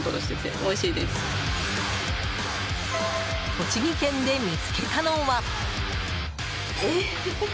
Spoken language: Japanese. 栃木県で見つけたのは。